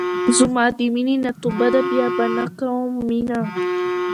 زما د مينې نه توبه ده بيا به نۀ کوم مينه